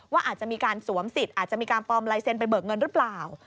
ว่าอาจจะมีการสวมสิทธิ์อาจจะมีการปลอมลายเซ็นไปเบิกเงินหรือเปล่า